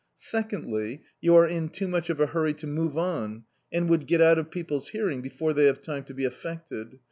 Secondly, you are in too much of a hurry to move on, and would get out of people's hearing before they have time to be affected.